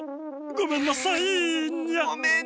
ごめんなさい！